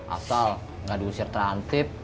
asal gak diusir terantip